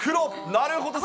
なるほど。